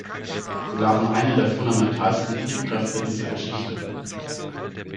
Sie waren eine der fundamentalsten Triebkräfte dieser Geschichte.